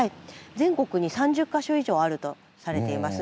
全国に３０か所以上あるとされています。